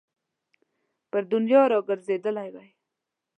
پر دنیا را ګرځېدلی وای.